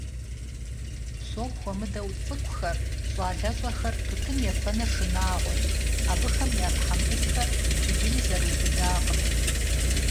Псом хуэмыдэу цӀыкӀухэр, щӀалэщӀэхэр тутын ефэныр шынагъуэщ, абыхэм я тхьэмбылхэр иджыри зэрыубыдакъыми.